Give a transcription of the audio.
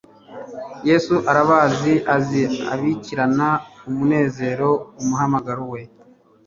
Yesu arabazi. Azi abakirana umunezero umuhamagaro we,